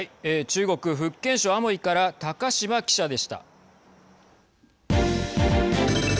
中国、福建省アモイから高島記者でした。